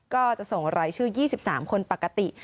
ก็จะส่งรายชื่อ๒๓คนปกติ